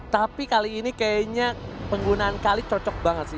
tapi kali ini kayaknya penggunaan kali cocok banget sih